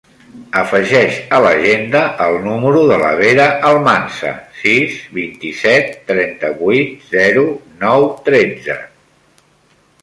Afegeix a l'agenda el número de la Vera Almanza: sis, vint-i-set, trenta-vuit, zero, nou, tretze.